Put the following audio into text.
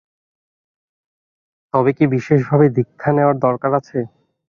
তবে কি বিশেষভাবে দীক্ষা নেওয়ার দরকার আছে?